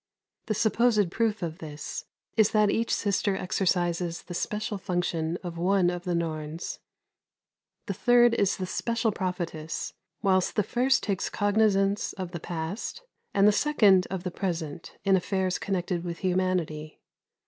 The supposed proof of this is that each sister exercises the special function of one of the Norns. "The third is the special prophetess, whilst the first takes cognizance of the past, and the second of the present, in affairs connected with humanity.